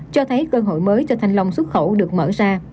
cho thấy cơ hội mới cho thanh long xuất khẩu được mở ra